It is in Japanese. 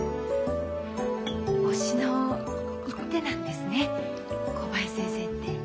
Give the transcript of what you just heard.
押しの一手なんですね小林先生って。